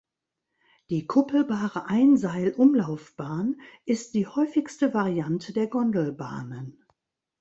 Die kuppelbare Einseilumlaufbahn ist die häufigste Variante der Gondelbahnen.